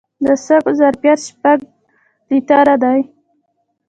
د سږو ظرفیت شپږ لیټره دی.